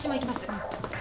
うん。